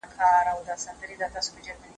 نیک عمل انسان ته لوړ مقام ورکوي.